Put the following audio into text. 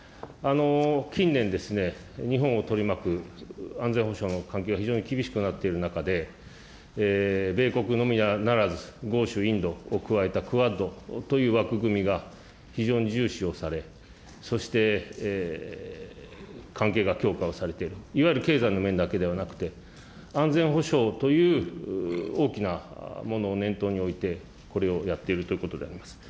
近年、日本を取り巻く安全保障の環境は、非常に厳しくなっている中で、米国のみならず、豪州インドを加えたＱＵＡＤという枠組みが非常に重視をされ、そして関係が強化をされている、いわゆる経済の面だけではなくて、安全保障という大きなものを念頭に置いて、これをやっているということであります。